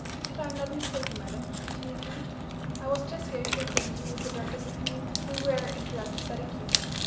_ "If I am not mistaken, madam," continued Booth, "I was just going to acquaint you with the doctor's opinion when we were interrupted by the keeper.